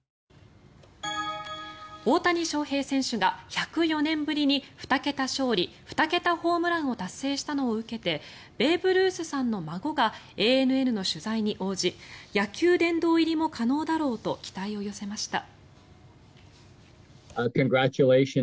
大谷翔平選手が１０４年ぶりに２桁勝利２桁ホームランを達成したのを受けてベーブ・ルースさんの孫がＡＮＮの取材に応じ野球殿堂入りも可能だろうと期待を寄せました。